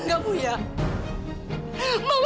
kamu maksudnya setan ya